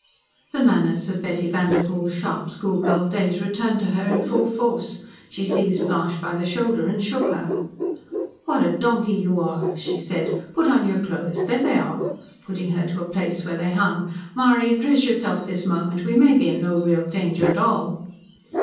The manners of Betty Vanderpoel's sharp schoolgirl days returned to her in full force. She seized Blanche by the shoulder and shook her. "What a donkey you are!" she said. "Put on your clothes. There they are," pushing her to the place where they hung. "Marie dress yourself this moment. We may be in no real danger at all."